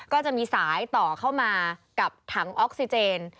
ก็จะมีสายต่อเข้ามากับถังออกซิเจน